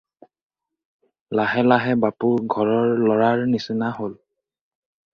লাহে লাহে বাপু ঘৰৰ ল'ৰাৰ নিচিনা হ'ল।